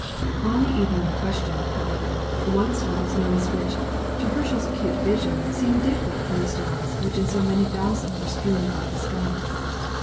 On the evening in question, however, one star was noticed which, to Herschel's acute vision seemed different from the stars which in so many thousands are strewn over the sky.